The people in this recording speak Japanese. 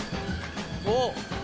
おっ。